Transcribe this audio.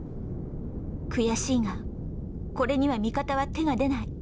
悔しいがこれには味方は手が出ない。